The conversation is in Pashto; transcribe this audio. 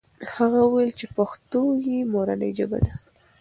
هغه وویل چې پښتو یې مورنۍ ژبه ده.